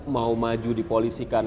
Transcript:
mau maju dipolisikan